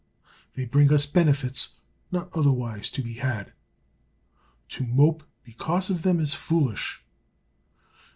They bring us benefits not otherwise to be had. To mope because of them is foolish.